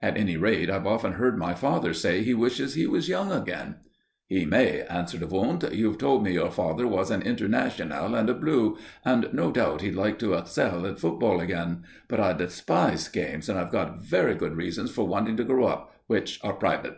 At any rate, I've often heard my father say he wishes he was young again." "He may," answered Wundt. "You've told me your father was an 'International' and a 'Blue,' and no doubt he'd like to excel at football again. But I despise games, and I've got very good reasons for wanting to grow up, which are private."